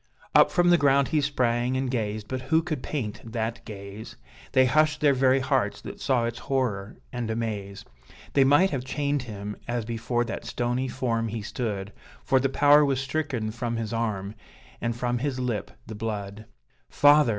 Up from the ground he sprang, and gazed, but who could paint that gaze? They hushed their very hearts, that saw its horror and amaze; They might have chained him, as before that stony form he stood, For the power was stricken from his arm, and from his lip the blood. "Father!"